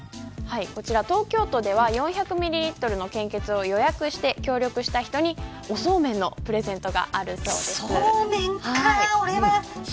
東京都では４００ミリリットルの献血を予約して、した人にそうめんのプレゼントがあるそうです。